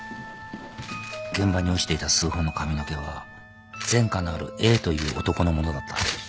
現場に落ちていた数本の髪の毛は前科のあるＡという男のものだった。